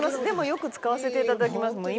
でもよく使わせていただきます